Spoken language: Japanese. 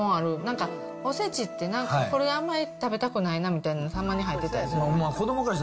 なんか、おせちってなんか、これあんまり食べたくないなみたいのたまに入ってたりする。